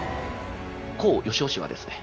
康芳夫氏はですね